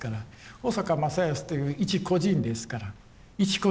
保阪正康という一個人ですから一個人で会う。